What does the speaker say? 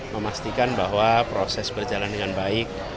memastikan bahwa proses berjalan dengan baik